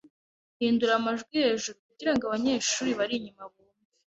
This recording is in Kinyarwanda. Hindura amajwi hejuru kugirango abanyeshuri bari inyuma bumve.